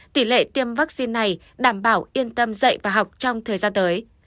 tỷ lệ tiêm vaccine này đảm bảo yên tâm dạy và học trong thời gian tới